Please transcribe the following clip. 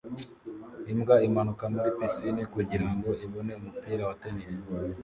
Imbwa imanuka muri pisine kugirango ibone umupira wa tennis